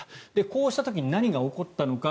こうした時に何が起こったのか。